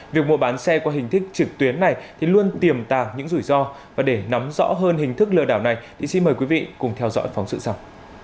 việc mua bán xe qua hình thức trực tuyến này thì luôn tiềm tàng những rủi ro và để nắm rõ hơn hình thức lừa đảo này thì xin mời quý vị cùng theo dõi phóng sự sau